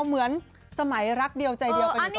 เหมือนสมัยรักเดียวใจเดียวกันอยู่ตรงนั้น